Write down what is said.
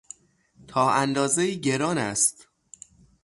تا اندازهای گران است.